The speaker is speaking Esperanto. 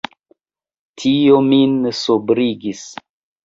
Tio min sobrigis.